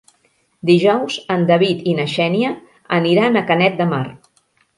Dijous en David i na Xènia aniran a Canet de Mar.